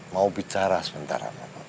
mau bicara sebentar